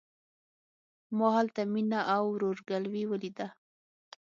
ما هلته مينه او ورور ګلوي وليده.